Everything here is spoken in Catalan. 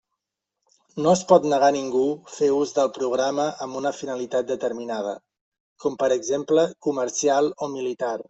No es pot negar a ningú fer ús del programa amb una finalitat determinada, com per exemple comercial o militar.